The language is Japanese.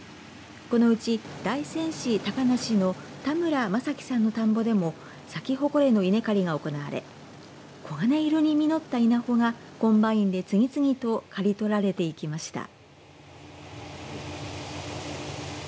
このうち大仙市高梨の田村政紀さんの田んぼでもサキホコレの稲刈りが行われ黄金色に実った稲穂がコンバインで次々と刈り取られていきました。